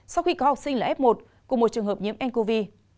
sau khi có học sinh là f một của một trường hợp nhiễm ncov